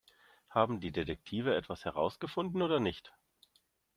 Haben die Detektive etwas herausgefunden oder nicht?